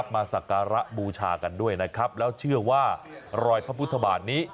สักการะบูชากันด้วยนะครับแล้วเชื่อว่ารอยพระพุทธบาทนี้